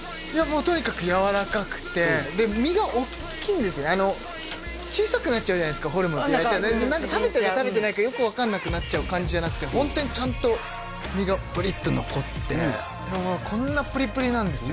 とにかくやわらかくてで身がおっきいんですよ小さくなっちゃうじゃないですかホルモンって何か食べてるか食べてないかよく分かんなくなっちゃう感じじゃなくてホントにちゃんと身がプリッと残ってこんなプリプリなんですよ